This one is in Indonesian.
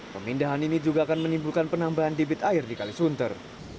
pemindahan ini juga akan menimbulkan penambahan debit air di kalisunter